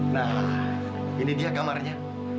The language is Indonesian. nah ini dia kamarnya